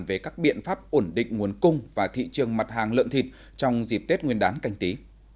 về các biện pháp ổn định nguồn cung và thị trường mặt hàng lợn thịt trong dịp tết nguyên đán canh tí